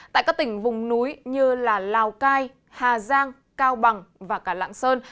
tại các tỉnh vùng núi như lào cai hà giang cao bằng và cả lạng sơn